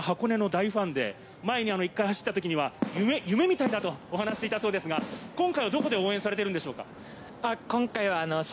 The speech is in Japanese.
おじいさんのふみおさんが箱根の大ファンで、前に一度、走った時には夢みたいだとお話していたそうですが、今回はどこで応援されているのでしょうか？